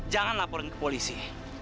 jangan laporin ke polisi